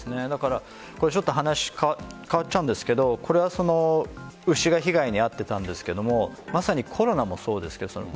これちょっと話、変わっちゃうんですけどこれは牛が被害に遭っていたんですがまさに、コロナもそうです。